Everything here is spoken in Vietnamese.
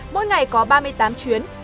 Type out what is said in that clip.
mỗi ngày có ba mươi tám chuyến